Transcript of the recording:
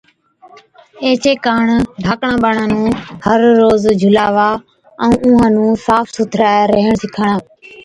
ايڇي ڪاڻ ڌاڪڙان ٻاڙان نُون هر روز جھُلاوا ائُون اُونهان نُون صاف سُٿرَي ريهڻ سِکاڻا